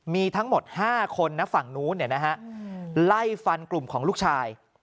มีทั้งหมด๕คนนะฝั่งนู้นไล่ฟันกลุ่มของลูกชาย